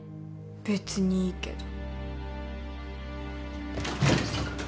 別にいいけど。